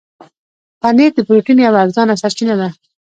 پنېر د پروټين یوه ارزانه سرچینه ده.